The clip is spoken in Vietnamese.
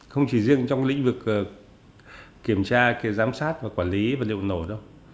không chỉ riêng trong lĩnh vực kiểm tra giám sát và quản lý vật liệu nổ đâu